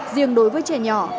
riêng đối với trẻ nhỏ